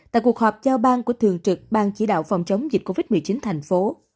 tại cuộc họp giao ban của thường trực ban chỉ đạo phòng chống dịch covid một mươi chín thành phố